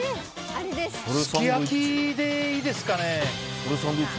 すき焼きでいいですかね？